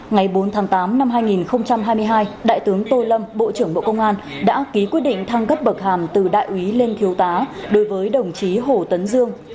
ngày bốn tháng tám năm hai nghìn hai mươi hai đại tướng tô lâm bộ trưởng bộ công an đã ký quyết định thăng cấp bậc hàm từ đại úy lên thiếu tá đối với đồng chí hồ tấn dương